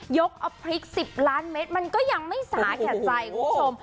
ยกเอาพริก๑๐ล้านเมตรมันก็ยังไม่สาแก่ใจคุณผู้ชม